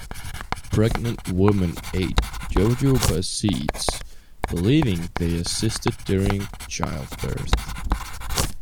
Pregnant women ate jojoba seeds, believing they assisted during childbirth.